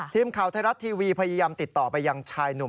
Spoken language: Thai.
ทีมข่าวไทยรัฐทีวีพยายามติดต่อไปยังชายหนุ่ม